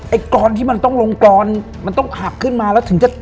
กรอนที่มันต้องลงกรอนมันต้องหักขึ้นมาแล้วถึงจะ